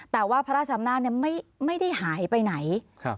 แต่ว่าพระราชอำนาจไม่ได้หายไปไหน